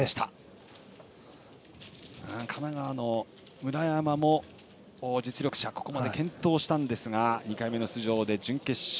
村山も実力者ここまで検討したんですが２回目の出場で準決勝。